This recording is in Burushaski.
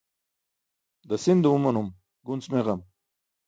Dasin dumumanum gunc meġam.